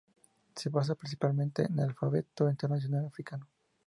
Se basa principalmente en "alfabeto internacional africano".